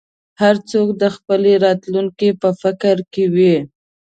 هر څوک د خپلې راتلونکې په فکر کې وي.